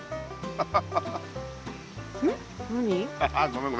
ハハハ。